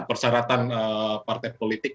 persyaratan partai politik